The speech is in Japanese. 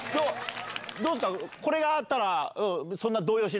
どうですか？